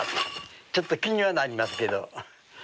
ちょっと気にはなりますけど。